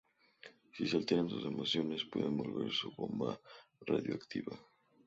Si se alteran sus emociones, puede volverse una bomba radioactiva.